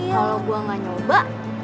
gimana gua tau hasilnya kayak gimana